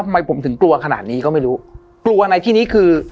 ทำไมผมถึงกลัวขนาดนี้ก็ไม่รู้กลัวในที่นี้คือ